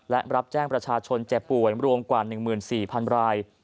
และรับแจ้งประชาชนเจ็บป่วยรวมกว่า๑๔๐๐๐ราย